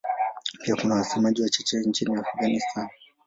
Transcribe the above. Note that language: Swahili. Pia kuna wasemaji wachache nchini Afghanistan.